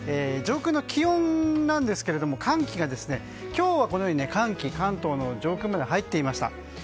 上空の気温ですが今日はこのように寒気関東の上空まで入っていました。